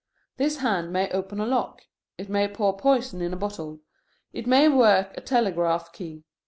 This hand may open a lock. It may pour poison in a bottle. It may work a telegraph key.